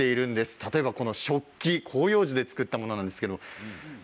例えば食器広葉樹で作ったものです。